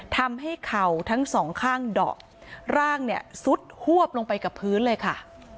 เข่าทั้งสองข้างดอกร่างเนี่ยซุดหวบลงไปกับพื้นเลยค่ะ